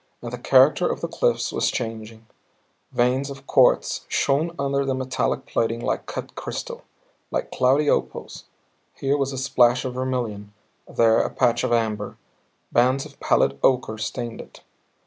And the character of the cliffs was changing. Veins of quartz shone under the metallic plating like cut crystal, like cloudy opals; here was a splash of vermilion, there a patch of amber; bands of pallid ochre stained it.